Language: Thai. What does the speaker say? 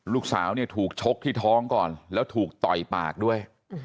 ลูกสาวเนี่ยถูกชกที่ท้องก่อนแล้วถูกต่อยปากด้วย